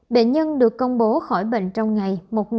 bệnh nhân được công bố khỏi bệnh trong ngày một hai trăm năm mươi bốn